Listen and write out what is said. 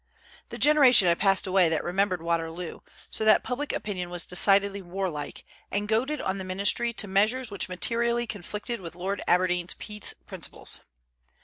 The generation had passed away that remembered Waterloo, so that public opinion was decidedly warlike, and goaded on the ministry to measures which materially conflicted with Lord Aberdeen's peace principles.